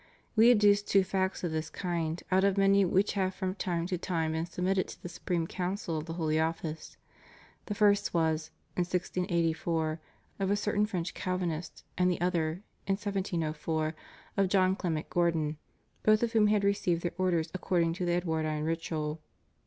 We adduce two facts of this kind out of many which have from time to time been submitted to the Supreme Council of the Holy Office. The first was (in 1684) of a certain French Cal vinist, and the other (in 1704), of John Clement Gordon, both of whom had received their Orders according to the Edwardine ritual.